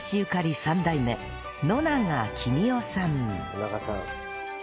野永さん。